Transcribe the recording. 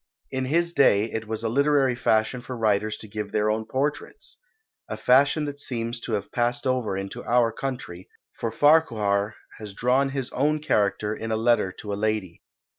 In his day it was a literary fashion for writers to give their own portraits; a fashion that seems to have passed over into our country, for Farquhar has drawn his own character in a letter to a lady.